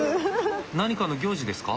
何かの行事ですか？